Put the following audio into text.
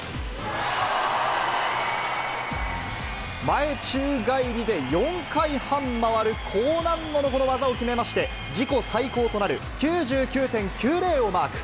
前宙返りで４回半回る高難度のこの技を決めまして、自己最高となる９９．９０をマーク。